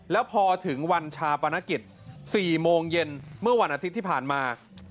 แล้วพอถึงวันชาปนกิจ๔โมงเย็นเมื่อวันอาทิตย์ที่ผ่านมา